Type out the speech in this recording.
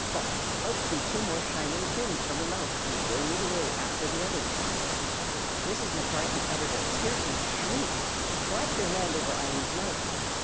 pop! out flew two more shining things from her mouth and rolled away after the others. Mrs. Macarthy uttered a piercing shriek, and clapped her hand over Eileen's mouth.